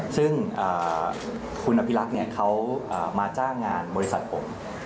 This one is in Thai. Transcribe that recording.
ซึ่งคุณอภิรักษ์เขามาจ้างงานบริษัทผม